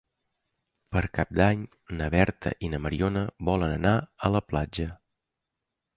Per Cap d'Any na Berta i na Mariona volen anar a la platja.